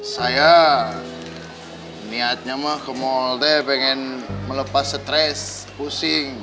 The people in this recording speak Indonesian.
sayang niatnya mah ke mall teh pengen melepas stres pusing